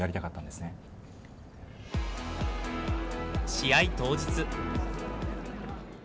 試合当日。